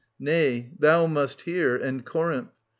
Nay, thou must hear, and Corinth.